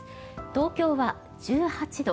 東京は１８度。